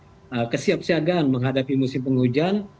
berbagai aktivitas kesiapsiagaan menghadapi musim penghujan